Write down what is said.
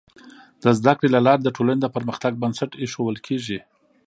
د زده کړې له لارې د ټولنې د پرمختګ بنسټ ایښودل کيږي.